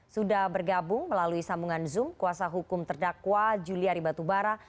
sudah bergabung melalui sambungan zoom kuasa hukum terdakwa juliari batubara